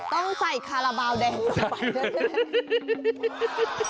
ต้องใส่คาราบาลแดงตรงไปด้วย